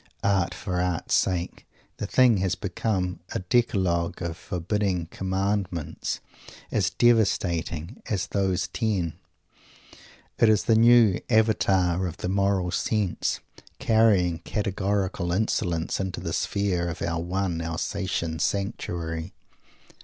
Art for art's sake! The thing has become a Decalogue of forbidding commandments, as devastating as those Ten. It is the new avatar of the "moral sense" carrying categorical insolence into the sphere of our one Alsatian sanctuary!